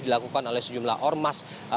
dilakukan oleh sejumlah ormas